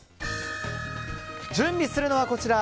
準備するのはこちら。